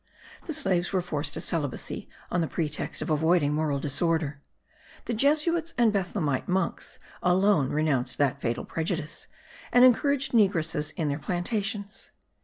The slaves were forced to celibacy on the pretext of avoiding moral disorder. The Jesuits and the Bethlemite monks alone renounced that fatal prejudice, and encouraged negresses in their plantations.